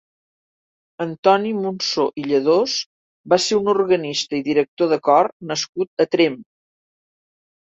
Antoni Monsó i Lledós va ser un organista i director de cor nascut a Tremp.